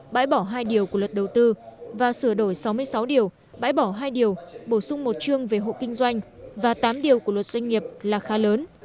bãi bỏ hai điều của luật đầu tư và sửa đổi sáu mươi sáu điều bãi bỏ hai điều bổ sung một chương về hộ kinh doanh và tám điều của luật doanh nghiệp là khá lớn